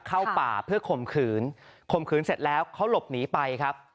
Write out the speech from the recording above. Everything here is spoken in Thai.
เข้าป่าเพื่อข่มขืนข่มขืนเสร็จแล้วเขาหลบหนีไปครับ